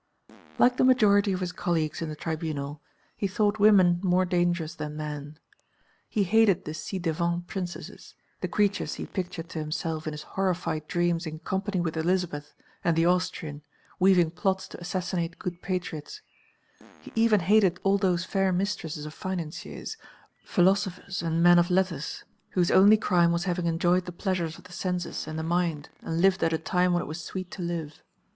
Like the majority of his colleagues in the Tribunal, he thought women more dangerous than men. He hated the ci devant princesses, the creatures he pictured to himself in his horrified dreams in company with Elisabeth and the Austrian weaving plots to assassinate good patriots; he even hated all those fair mistresses of financiers, philosophers, and men of letters whose only crime was having enjoyed the pleasures of the senses and the mind and lived at a time when it was sweet to live.